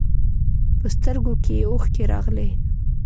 په سترګو کې یې اوښکې راغلې.